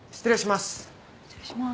失礼します。